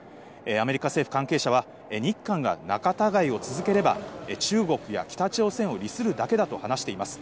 アメリカ政府関係者は、日韓が仲たがいを続ければ、中国や北朝鮮を利するだけだと話しています。